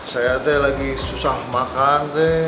saya teh lagi susah makan